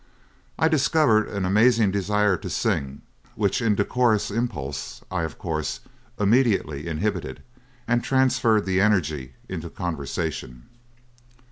"I discovered an amazing desire to sing, which indecorous impulse I, of course, immediately inhibited and transferred the energy into conversation.